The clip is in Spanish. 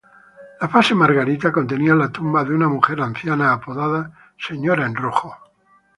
La fase Margarita contenía la tumba de una mujer anciana, apodada "Señora en Rojo".